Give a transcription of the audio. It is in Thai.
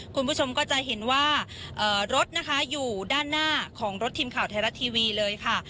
คุณผู้ชมก็จะเห็นว่ารถนะคะอยู่ด้านหน้าของรถทีมข่าวไทยรัฐทีวีเลยค่ะ